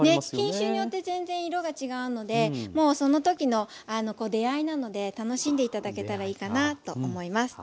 品種によって全然色が違うのでもうその時の出合いなので楽しんで頂けたらいいかなと思います。